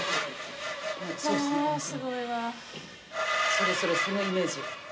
それそれそのイメージ。